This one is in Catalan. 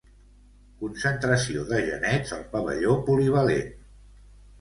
Concentració de genets al pavelló polivalent.